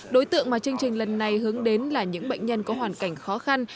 đối tượng mà chương trình lần này hướng đến là những bệnh nhân có hoàn cảnh khó khăn